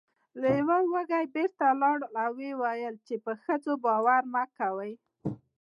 لیوه وږی بیرته لاړ او و یې ویل چې په ښځو باور مه کوئ.